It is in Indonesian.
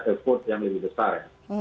effort yang lebih besar